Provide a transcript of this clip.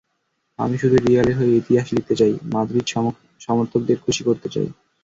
আমি শুধু রিয়ালের হয়ে ইতিহাস লিখতে চাই, মাদ্রিদ সমর্থকদের খুশি করতে চাই।